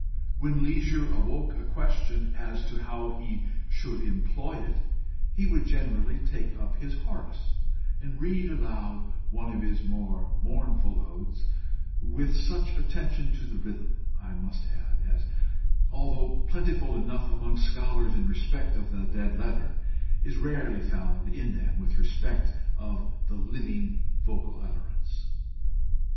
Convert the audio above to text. When leisure awoke a question as to how he should employ it, he would generally take up his Horace and read aloud one of his more mournful odes with such attention to the rhythm, I must add, as, although plentiful enough among scholars in respect of the dead letter, is rarely found with them in respect of the living vocal utterance.